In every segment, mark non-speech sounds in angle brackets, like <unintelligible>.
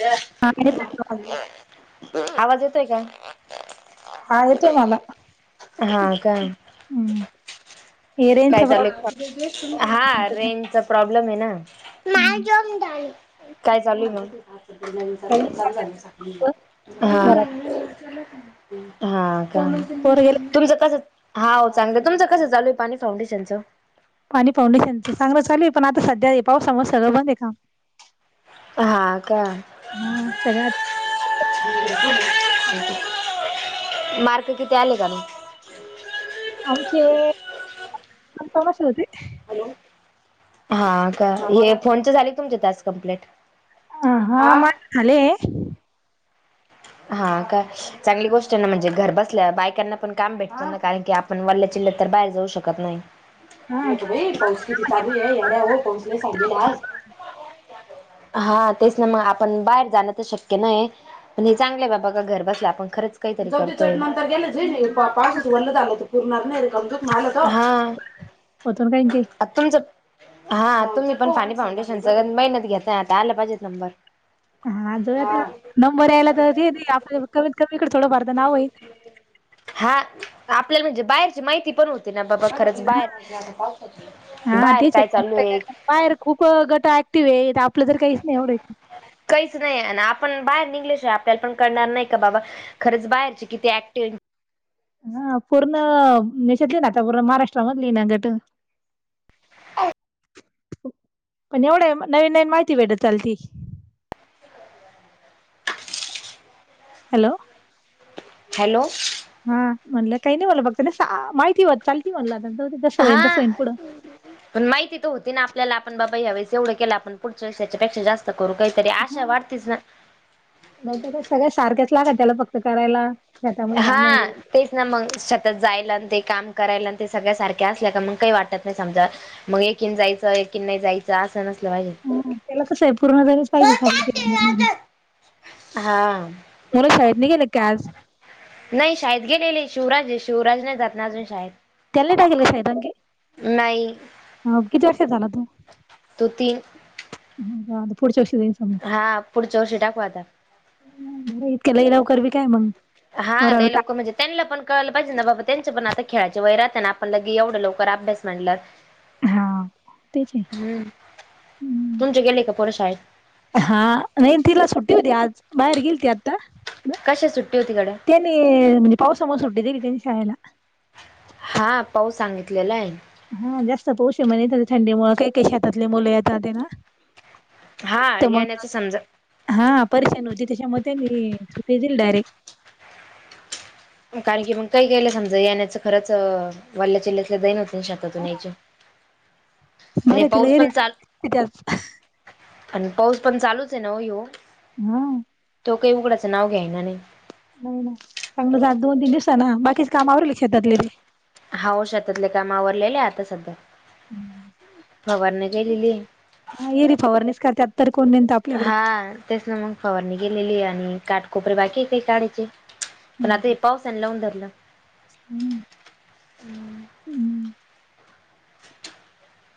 <unintelligible> आवाज येतोय का? हा येतोय माला. हा का? हे रेंजचा काय प्रॉब्लेम आहे चालुये? हा रेंजचा प्रॉब्लेम आहे ना. काय चालूये मग? काही नाही आपलं हा घरात हा. पोरं गेले तुमचं कस, हाव चांगलं, तुमचं कसं चालू आहे पाणी फाउंडेशनचं? पाणी फाउंडेशनचं चांगलं चालू आहे, पण आता सध्या हे पावसामुळ सगळं बंद आहे काम. हा का? हा सगळ्यात मार्क किती आले आणि? आमचे <unintelligible> हॅलो! हा का? हे फोनचे झाले तुमचे टास्क कमप्लीट? ह हा, माज झाले हा काय, चांगली गोष्ट आहे ना, म्हणजे घर बसल्या बायकांना ण काम भेट ना कारण की आपण वल्ल चिल्ल तर बाहेर जाऊ शकत नाही. हा नको बाई पाऊस किती चालू आहे येड्यावत, पाऊस लय चालू आहे आज. हा तेच ना मग, आपण बाहेर जाणं तर शक्य नाही आहे आणि चांगलंय बाबा का घरबसल्या आपण खरच काहीतरी करतोय. प पावसाच वल्ला झालं त पूरणार नाही <unintelligible> दुखणं आलं त. हा. होतून काही काही आ तुमच हा तुम्ही पण पाणी फाउंडेशनच मेहनत घेताय, आता आला पाहिजेत नंबर. हा <unintelligible> हा. आता, नंबर यायला तर <unintelligible> कमीत कमी इकडे थोडंफार तर नाव होईल. हा आपल्याला म्हणजे बाहेरची माहिती पण होते ना बाबा खरच बाहेर, हा बाहेर तेच काय चालू आहे? बाहेर खूप गट ऍक्टिव्ह आहेत. आपलं तर काहीच नाही होऊ राहील. काहीच नाही, अन आपण बाहेर निघले शिवाय आपल्याला पण करणार नाही का बाबा खरंच बाहेरचे किती ऍक्टिव आहे हा पूर्ण देशातली ना, आता पूर्ण महाराष्ट्रामधली ना गट. <inaudible> पण एवढ आहे, नवीन नवीन माहिती भेटत चालती. हॅलो! हॅलो! हा म्हणलं काही नाही, म्हटलं फक्त नुसतं आ माहिती होत चालती. म्हणल आता जाऊदे जस होईन हा तसं पुढं पण माहिती तर होती ना आपल्याला, आपण बाबा ह्यावेेळेस एवढं केलं आपण. पुढच्या वेळेस याच्यापेक्षा जास्त करू काहीतरी. आशा वाढतीच ना. नाहीत काय सगळ्या सारख्याच लाग त्याला फक्त करायला. शेतामध्ये जाणं हे. हा. तेच ना मग सतत जायला, न ते काम करायला, न ते सगळ्या सारख्या असल्या का मग काही वाटत नाही समजा मग एकीन जायचं, एकीन नाही जाय ते अस नसलं पाहिजे. हं. त्याला कसंय? पूर्ण <unintelligible> पाहिजे <unintelligible> हां. पोर शाळेत नाही गेले का काय आज? नाही शाळेत गेलेले ए. शिवराज ए. शिवराज नाही जात ना अजून शाळेत. त्याला नाही टाकेल ए शाळेत आणखी? नाही. मग किती वर्षाचा झाला तो? तो तीन. हं. हा पुढच्या वर्षी होईल. हा. पुढच्या वर्षी टाकू आता. अं बर इतक्या लवकर बी काय ए मंग? हा. लई लवकर म्हणजे - त्यांना पण कळालं पाहिजे ना? बाबा त्यांच पण आता खेळायचे वय राहत ना? आपण लगे एवढं लवकर अभ्यास म्हणलं. हां. तेच ना. हम्म. तुमचे गेले का पोर शाळेत? हा. नाही तिला सुट्टी होती आज. बाहेर गेली ती आत्ता. कशा सुट्टी होती गड्या? त्यानी म्हणजे पावसामुळं सुट्टी दिलीती ना शाळेला. हा. पाऊस सांगितलेला ए. हां. जास्त पाऊस ए म्हणे. त थंडी मुळे काही काही शेतातले मुले येता ते ना. हां. येण्याच समजा. हां. परेशानी होती त्याच्यामुळे त्यांनी सुट्टीच दिली डायरेक्ट. कारण की मग काही काहीला समजा येण्याचं खरंच वाल्ल्याचिल्ल्यातलं <unintelligible> शेतातून यायचं. आणि बरं तिला पाऊस पण एरिया चाल- त्याच आन पाऊस पण चालूच ए ना हो ह्यो. म. तो काही उघडाचं नाव घेईना नाही. हं. चांगलं झा- दोन तीन दिवसांन बाकीच काम आवरले शेतातले ते? हाव. शेतातल काम आवरलेलेय आता सध्या. फवारणी केलेली ए. हा. येरवी फवारणीच करत्यात. तर को <unintelligible> हा. तेच ना मग. फवारणी केलेलीए आणि काठकोपरे बाकी ए काही काढायचे. पण आता हे पावसानी लावून धरलं. हम्म. हम्म.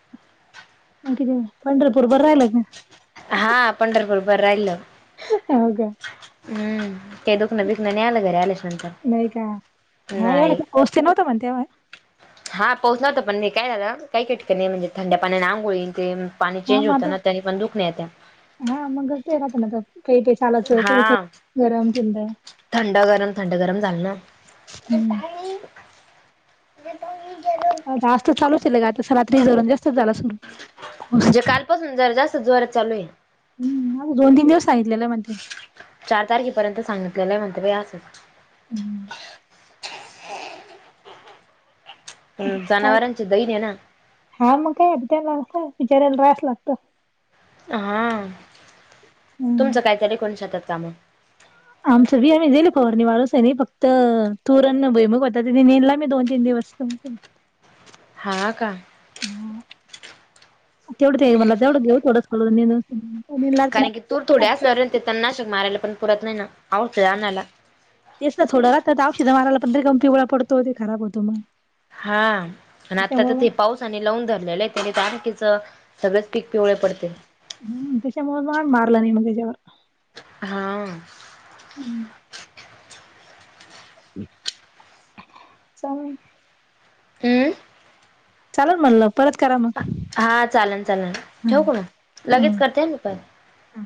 <unintelligible> पंढरपूर बरं राहिल का? हा. पंढरपूर बर राहिल. हाव का? हम्म. काही दुखणं बिखणं नाही आलं. घरी आल्याच्या नंतर? नाही का हा. एवढ नाही <unintelligible> नव्हत म्हण तेव्हा. हा. पाऊस नव्हता. पण हे काय झालं काही काही ठिकाणी म्हणजे थंड्या पाण्याने आंघोळी न तेन - पाणी चेंज होतं ना? त्यानी पण दुखणे येत्या. हां. <unintelligible> केळीच्या सालाच हा थंड गरम थंड गरम झालं ना <unintelligible> हम्म. आज त चालूच ए लगे. आता रात्री <unintelligible> जास्तच झाला सुरु. म्हणजे कालपासून जरा जास्त जोरत चालूये. हम्म आजू दोन- तीन दिवस सांगितलेलं म्हणत्या. चार तारखेपर्यंत सांगितलेलं म्हणत्या बाई अस. हम्म. हम्म काय जनावरांची दहीने ना. हा मग काय, अ त्यानला काय बिचाराला राहास लागत. हा. हम्म तुमचं काय चालूय काणू शेतात काम? आमचं वी आम्ही देईल फवारणी मारून सनी, फक्त तूरण भूयमुग होता. ते निदला मी दोन तीन दिवस. चमचम हा का? हो. तेवढं ते मला तेवढं घेऊ थोडंच करून निदून. कारण की तूर थोडे असल्यावर ते तन नाशक माराला पण परवडत नाही ना. औषध आणला. तेच ना थोडं राहत त औषध मारायला पण रीकम पिवळा पडतो ते खराब होतो मग. हा, आता त्याच्यामुळे मग ते पाऊस लावून धरलेलंय त्यानी त आखीच सगळेच पीक पिवळे पडते. ह त्याच्यामुळे मग आम्ही मारलं नाही म त्याच्यावर. हा. हम्म. चालल. हम्म चालल म्हणलं. परत करा मग. हा चालन चालन. ठेवू हम्म. का म? लगेच करते ह मी पण. हम्म.